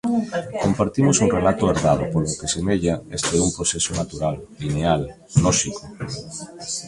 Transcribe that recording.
Compartimos un relato herdado polo que semella este un proceso natural, lineal, lóxico.